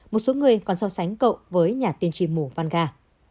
một số người còn so sánh cậu với nhà tiên tri mù vang